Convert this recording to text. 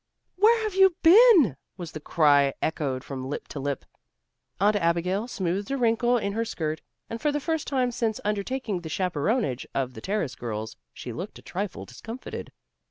"Where have you been?" was the cry echoed from lip to lip. Aunt Abigail smoothed a wrinkle in her skirt, and for the first time since undertaking the chaperonage of the Terrace girls, she looked a trifle discomfited.